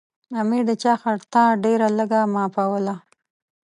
امیر د چا خطا ډېره لږه معافوله.